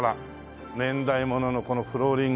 年代物のこのフローリング。